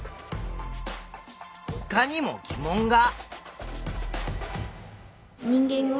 ほかにも疑問が。